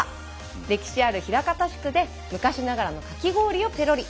歴史ある枚方宿で昔ながらのかき氷をペロリ。